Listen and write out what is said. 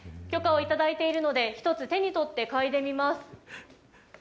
許可を頂いているので、１つ手に取って嗅いでみます。